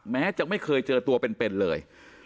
แม้จะไม่เคยเจอตัวเป็นเลย